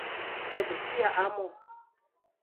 Sed kia amo?